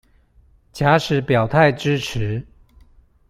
假使表態支持